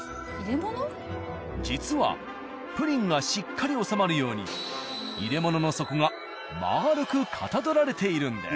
実はプリンがしっかり収まるように入れ物の底が丸くかたどられているんです。